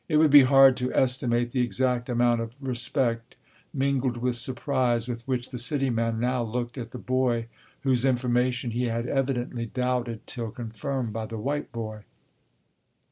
It would be hard to estimate the exact amount of respect, mingled with surprise, with which the city man now looked at the boy whose information he had evidently doubted till confirmed by the white boy.